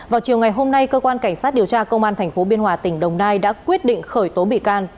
vào chiều ngày hôm nay cơ quan cảnh sát điều tra công an tp biên hòa tỉnh đồng nai đã quyết định khởi tố bị can